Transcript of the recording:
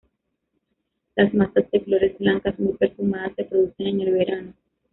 Las masas de flores blancas muy perfumadas se producen en el verano.